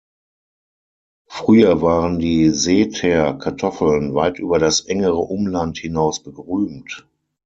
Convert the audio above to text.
Früher waren die "Seether Kartoffeln" weit über das engere Umland hinaus berühmt.